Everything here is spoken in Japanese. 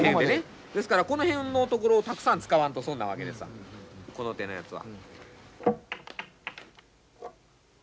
ですからこの辺のところをたくさん使わんと損なわけですわこの手のやつは。